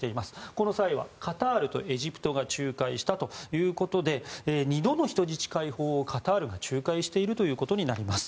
この際はカタールとエジプトが仲介したということで２度の人質解放をカタールが仲介していることになります。